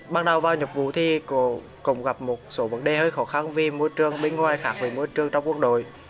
bắt đầu vào nhập ngũ thì cũng gặp một số vấn đề hơi khó khăn vì môi trường bên ngoài khác với môi trường trong quân đội